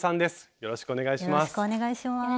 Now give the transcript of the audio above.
よろしくお願いします。